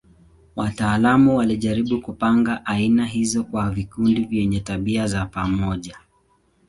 Wataalamu walijaribu kupanga aina hizo kwa vikundi vyenye tabia za pamoja.